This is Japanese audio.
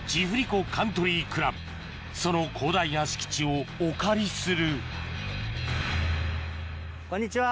その広大な敷地をお借りするこんにちは！